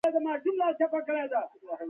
پاکې، سوتره، رڼې اوبه دي.